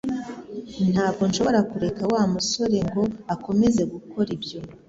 Ntabwo nshobora kureka Wa musore ngo akomeze gukora ibyo